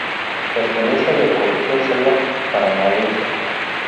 Pertenece a la ecorregión selva Paranaense.